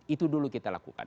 itu dulu kita lakukan